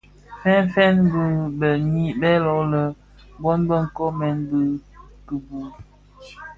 Fëfë, bëbëni bè muloň bë koomèn ki bituu.